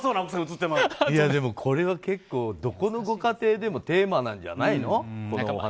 でも、これはどこのご家庭でもテーマなんじゃないの。